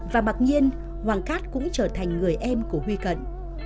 và mặc nhiên hoàng cát cũng trở thành người em của huy cận